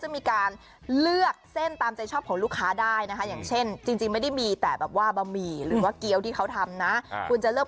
อ๋อมาสงสารนะคนนี้ไม่กินข้าวเชาะเลยนะครับ